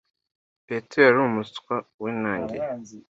petero yari umuswa winangiye